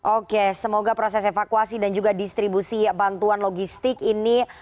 oke semoga proses evakuasi dan juga distribusi bantuan logistik ini